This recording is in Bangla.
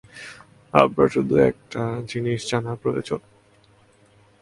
আমার শুধু একটা জিনিস জানা প্রয়োজন।